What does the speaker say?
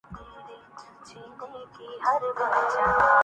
جزقیس اور کوئی نہ آیا بہ روے کار